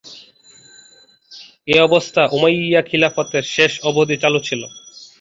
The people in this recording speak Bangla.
এ অবস্থা উমাইয়া খিলাফতের শেষ অবধি চালু ছিল।